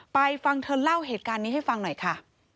ฟังเธอเล่าเหตุการณ์นี้ให้ฟังหน่อยค่ะ